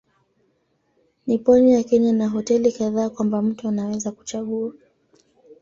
Ni pwani ya Kenya na hoteli kadhaa kwamba mtu anaweza kuchagua.